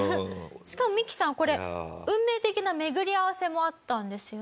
しかもミキさんこれ運命的な巡り合わせもあったんですよね？